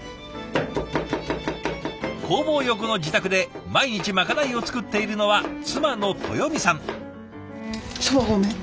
工房横の自宅で毎日まかないを作っているのは妻の豊美さん。